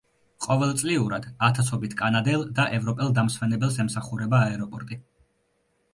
ყოველწლიურად ათასობით კანადელ და ევროპელ დამსვენებელს ემსახურება აეროპორტი.